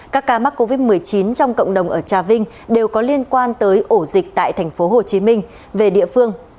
các ca mắc covid một mươi chín trong cộng đồng ở trà vinh đều có liên quan tới ổ dịch tại tp hcm về địa phương